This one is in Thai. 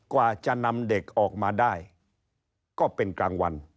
กว่าจะนำเด็กออกมาได้ก็เป็นกลางวัน